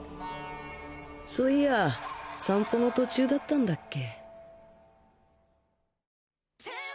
そういや散歩の途中だったんだっけ。